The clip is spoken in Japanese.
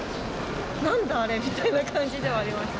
なんだあれ？みたいな感じではありました。